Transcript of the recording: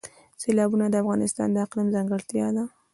سیلابونه د افغانستان د اقلیم ځانګړتیا ده.